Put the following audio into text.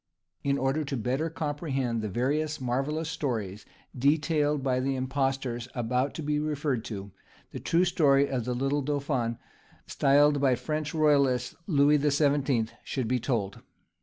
In order to better comprehend the various marvellous stories detailed by the impostors about to be referred to, the true story of the little dauphin, styled by the French royalists Louis the Seventeenth, should be told.